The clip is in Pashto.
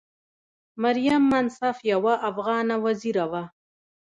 مریم منصف یوه افغانه وزیره وه.